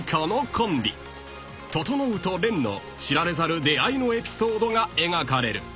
［整とレンの知られざる出会いのエピソードが描かれる］